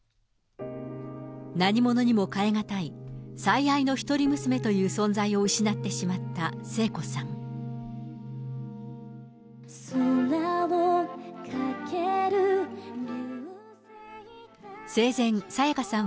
何物にも代え難い最愛の一人娘という存在を失ってしまった聖子さん。